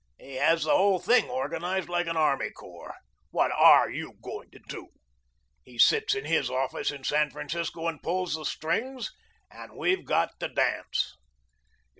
He has the whole thing organised like an army corps. What ARE you going to do? He sits in his office in San Francisco and pulls the strings and we've got to dance."